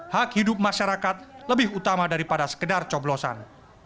hak hidup masyarakat lebih utama daripada sekedar coblosan